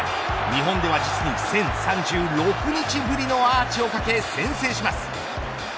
日本では実に１０３６日ぶりのアーチをかけ先制します。